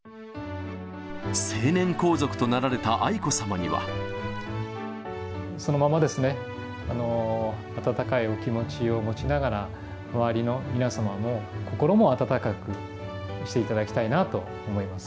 成年皇族となられた愛子さまそのまま、温かいお気持ちを持ちながら、周りの皆様の心も温かくしていただきたいなと思います。